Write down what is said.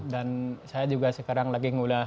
dan saya juga sekarang lagi ngulai hidup